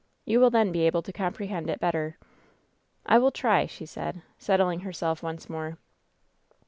You will then be able to comprehend it better." "I will try," she said, settling herself once more.